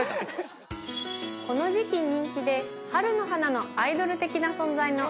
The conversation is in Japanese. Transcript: この時季人気で春の花のアイドル的な存在の。